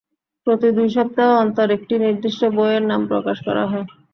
প্রতি দুই সপ্তাহ অন্তর একটি নির্দিষ্ট বইয়ের নাম প্রকাশ করা হয়।